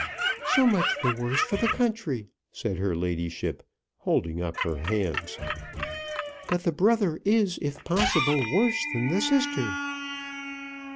"So much the worse for the country," said her ladyship, holding up her hands. "But the brother is if possible worse than the sister."